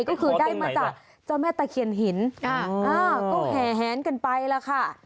ก็คือได้มาจากเจ้าแม่ตะเคียนหินก็แหนกันไปแล้วค่ะ